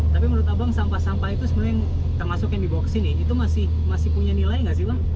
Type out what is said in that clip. tapi menurut abang sampah sampah itu sebenarnya yang termasuk yang dibawa ke sini itu masih punya nilai nggak sih bang